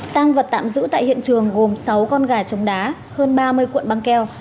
tang vật tạm giữ tại hiện trường gồm sáu con gà trống đá hơn ba mươi cuộn băng keo